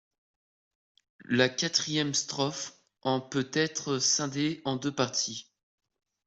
La quatrième strophe en peut être scindée en deux parties.